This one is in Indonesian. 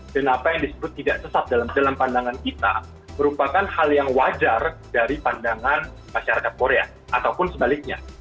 dan apa yang disebut tidak sesat dalam pandangan kita merupakan hal yang wajar dari pandangan masyarakat korea ataupun sebaliknya